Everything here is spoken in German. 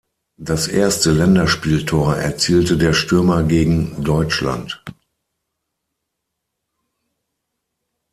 Das erste Länderspieltor erzielte der Stürmer gegen Deutschland.